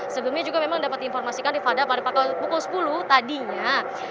sebelumnya juga memang dapat diinformasikan rifana pada pukul sepuluh tadinya